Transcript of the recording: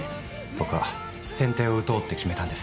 僕は先手を打とうって決めたんです。